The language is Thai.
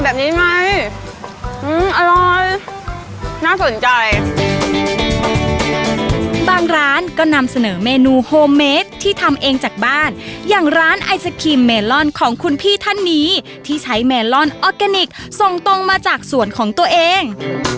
บางร้านก็นำเสนอเมนูโฮมเมดที่ทำเองจากบ้านอย่างร้านไอศกรีมแมล่นของคุณพี่ท่านนี้ที่ใช้แมล่นออเกเนคส่งตรงมาจากสวนของตัวเอง